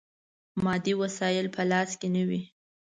مادي وسایل په لاس کې نه وي.